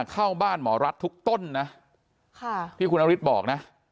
เข้าบ้านหมอรัฐทุกต้นนะค่ะที่คุณนฤทธิ์บอกนะ